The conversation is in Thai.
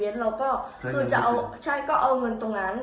เอาเงินตรงนั้น